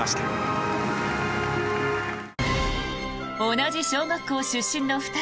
同じ小学校出身の２人。